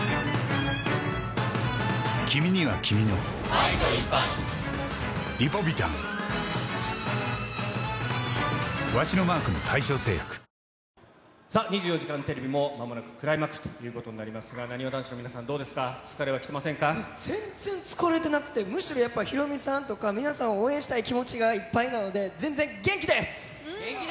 ＮＯＭＯＲＥＲＵＬＥＳＫＡＴＥさあ、２４時間テレビもまもなくクライマックスということになりますが、なにわ男子の皆さん、どうですか、全然疲れてなくて、むしろやっぱヒロミさんとか、皆さん、応援したい気持ちがいっぱいなの元気です！